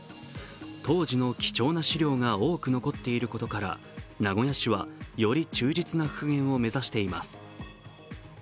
当時の貴重な資料が多く残っていることから名古屋市はより忠実な復元を目指しています。